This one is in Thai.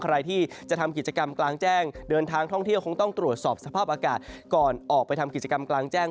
ใครที่จะทำกิจกรรมกลางแจ้งเดินทางท่องเที่ยวคงต้องตรวจสอบสภาพอากาศก่อนออกไปทำกิจกรรมกลางแจ้ง